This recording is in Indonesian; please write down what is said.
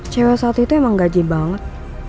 cewek saat itu emang gaji banget